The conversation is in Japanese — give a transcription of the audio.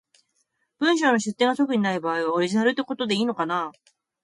文章の出典が特にない場合は、オリジナルってことでいいのかな？